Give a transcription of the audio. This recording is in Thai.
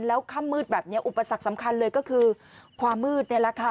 แล้วค่ำมืดแบบนี้อุปสรรคสำคัญเลยก็คือความมืดนี่แหละค่ะ